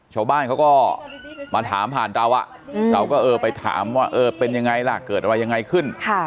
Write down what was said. ชาวบ้านเขาก็มาถามผ่านเราเราก็เออไปถามว่าเออเป็นยังไงล่ะเกิดอะไรยังไงขึ้น